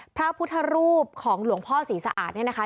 พระพุทธรูปของหลวงพ่อศรีสะอาดเนี่ยนะคะ